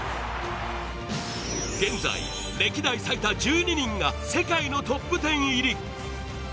現在、歴代最多１２人が世界のトップ１０入り。